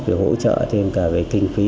để hỗ trợ thêm cả về kinh phí